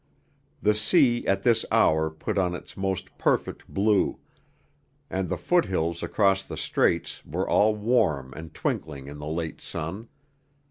The sea at this hour put on its most perfect blue, and the foot hills across the Straits were all warm and twinkling in the late sun.